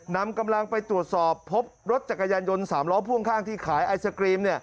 นำกำลังไปตรวจสอบพบรถจักรยานยนต์๓ล้อพ่วงข้างที่ขายไอศกรีม